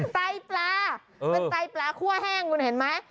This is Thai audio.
ไตปลาเป็นไตปลาคั่วแห้งคุณเห็นไหม